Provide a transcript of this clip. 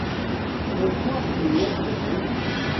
รถคว่ำหรือรถหงาย